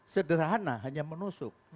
sederhana hanya menusuk